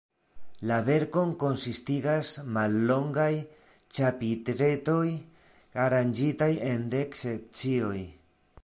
La verkon konsistigas mallongaj ĉapitretoj, aranĝitaj en dek sekcioj.